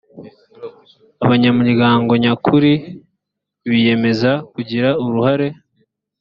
abanyamuryango nyakuri biyemeza kugira uruhare